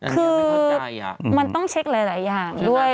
คือมันต้องเช็คหลายอย่างด้วย